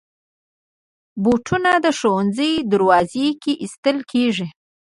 بوټونه د ښوونځي دروازې کې ایستل کېږي.